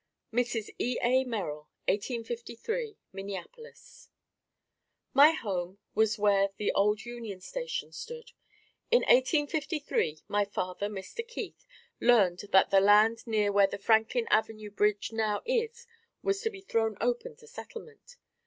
Mrs. E. A. Merrill 1853, Minneapolis. My home was where the old Union station stood. In 1853 my father, Mr. Keith, learned that the land near where the Franklin Avenue bridge now is was to be thrown open to settlement.